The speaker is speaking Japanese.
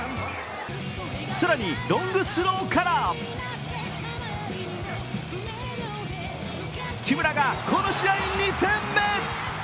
更にロングスローから木村がこの試合２点目。